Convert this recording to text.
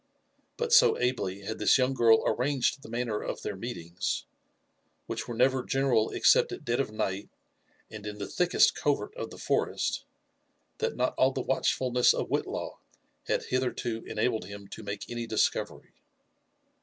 But so ably had this young girl arranged the manner of their meetings, which were never general except at dead of night and in the thickest covert of the forest, that not all the watchfulness of Whitlaw had hitherto enabled him to make any discovery.